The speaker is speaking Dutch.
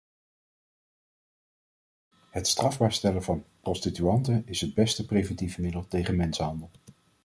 Het strafbaar stellen van prostituanten is het beste preventieve middel tegen mensenhandel.